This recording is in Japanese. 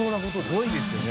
すごいですよね。